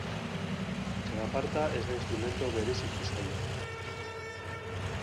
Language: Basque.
Txalaparta ez da instrumentu bereziki zaila.